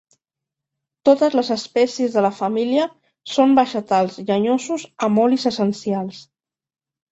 Totes les espècies de la família són vegetals llenyosos amb olis essencials.